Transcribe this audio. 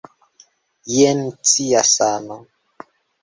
Je cia sano!